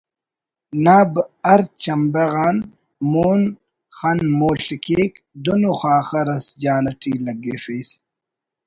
نا ہر چمبہ غان مون خن مول/ کیک دن ءُ خاخر اس جان اٹی لگفیس